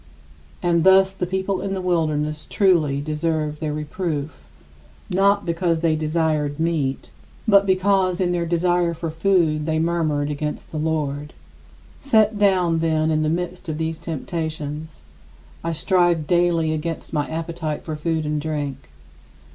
And, thus, the people in the wilderness truly deserved their reproof, not because they desired meat, but because in their desire for food they murmured against the Lord. 47. Set down, then, in the midst of these temptations, I strive daily against my appetite for food and drink.